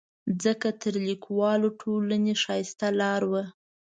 ځکه تر لیکوالو ټولنې ښایسته لاره وه.